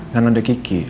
kan ada kiki